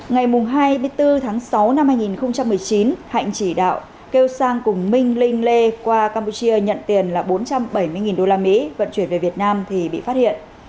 ngày hai mươi bốn tháng sáu năm hai nghìn một mươi chín hạnh chỉ đạo kêu sang cùng minh linh lê qua campuchia nhận tiền là bốn trăm bảy mươi usd vận chuyển về việt nam thì bị phát hiện